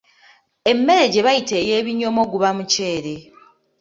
Emmere gye bayita ey’ebinyomo guba muceere.